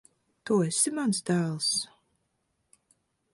Tu esi mans dēls?